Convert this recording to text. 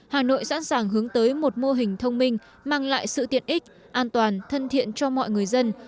hà nội sẵn sàng hướng tới một mô hình thông minh mang lại sự tiện ích an toàn thân thiện cho mọi người dân